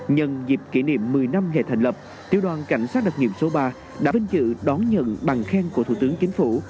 nhân dịp kỷ niệm một mươi năm ngày thành lập tiểu đoàn cảnh sát đặc nghiệm số ba đã vinh dự đón nhận bằng khen của thủ tướng chính phủ